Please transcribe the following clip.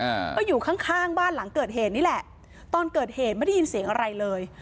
อ่าก็อยู่ข้างข้างบ้านหลังเกิดเหตุนี่แหละตอนเกิดเหตุไม่ได้ยินเสียงอะไรเลย